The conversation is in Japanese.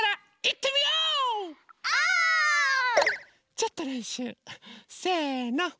ちょっとれんしゅう。せの。